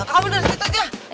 kamu dari situ aja